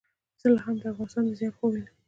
زه لا هم د افغانستان د زیان خوب وینم.